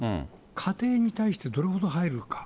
家庭に対してどれほど入るか。